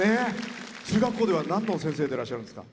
中学校ではなんの先生でいらっしゃるんですか？